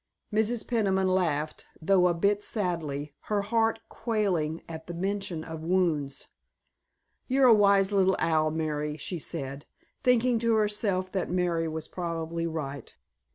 Mrs. Peniman laughed, though a bit sadly, her heart quailing at the mention of wounds. "You're a wise little owl, Mary," she said, thinking to herself that Mary was probably right.